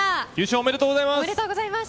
おめでとうございます。